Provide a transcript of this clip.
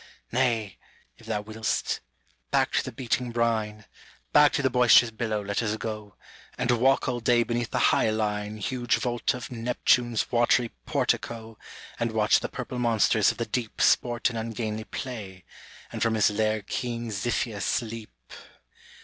Nay if thou wil'st, back to the beating brine, Back to the boisterous billow let us go, And walk all day beneath the hyaline Huge vault of Neptune's watery portico, And watch the purple monsters of the deep Sport in ungainly play, and from his lair keen Xiphias leap.